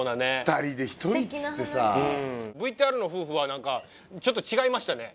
２人で１人っつってさ素敵な話ＶＴＲの夫婦は何かちょっと違いましたね